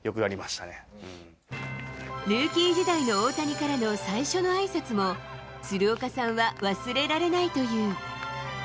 ルーキー時代の大谷からの最初のあいさつも、鶴岡さんは忘れられないという。